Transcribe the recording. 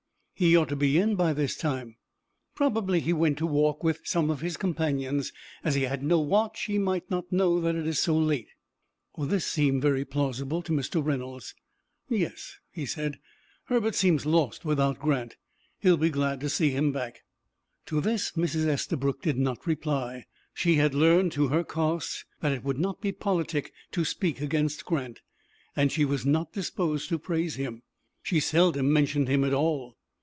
"He ought to be in by this time." "Probably he went to walk with some of his companions. As he had no watch, he might not know that it is so late." This seemed very plausible to Mr. Reynolds. "Yes," he said; "Herbert seems lost without Grant. He will be glad to see him back." To this Mrs. Estabrook did not reply. She had learned, to her cost, that it would not be politic to speak against Grant, and she was not disposed to praise him. She seldom mentioned him at all.